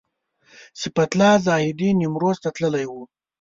صفت الله زاهدي نیمروز ته تللی و.